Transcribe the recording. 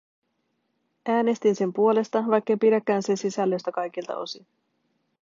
Äänestin sen puolesta, vaikken pidäkään sen sisällöstä kaikilta osin.